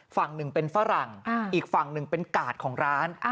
ฝั่งหนึ่งเป็นฝรั่งอีกฝั่งหนึ่งเป็นกาดของร้าน